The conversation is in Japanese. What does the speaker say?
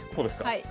はい。